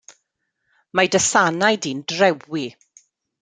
Mae dy sanna' di'n drewi.